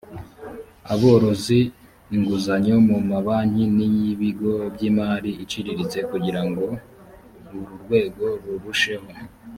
aborozi inguzanyo mu mabanki n ibigo by imari iciriritse kugirango uru rwego rurusheho